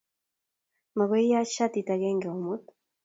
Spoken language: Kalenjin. mokoiaach shatit agenge omut?